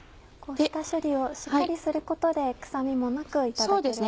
下処理をしっかりすることで臭みもなくいただけるわけですね。